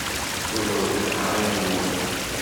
Ḍebbret iqeṛṛa-nwen!